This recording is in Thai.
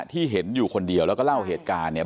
ที่เห็นอยู่คนเดียวแล้วก็เล่าเหตุการณ์เนี่ย